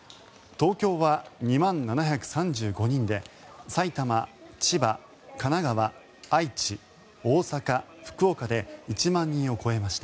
東京は２万７３５人で埼玉、千葉、神奈川愛知、大阪、福岡で１万人を超えました。